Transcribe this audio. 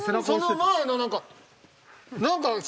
その前の何か。